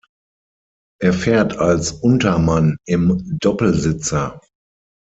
Er fährt als Untermann im Doppelsitzer.